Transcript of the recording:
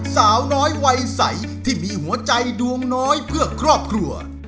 สาวน้อยวัยใสที่มีหัวใจดวงน้อยเพื่อครอบครัว